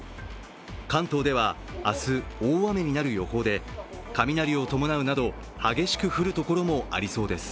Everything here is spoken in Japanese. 関東では明日、大雨になる予報で雷を伴うなど激しく降るところもありそうです。